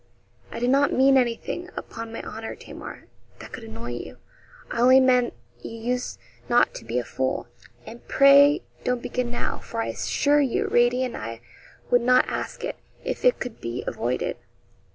'I did not mean anything, upon my honour, Tamar, that could annoy you. I only meant you used not to be a fool, and pray don't begin now; for I assure you Radie and I would not ask it if it could be avoided.